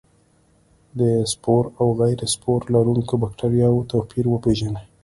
د سپور او غیر سپور لرونکو بکټریا توپیر وپیژني.